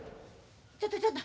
ちょっとちょっと。